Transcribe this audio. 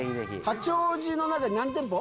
八王子の中に何店舗？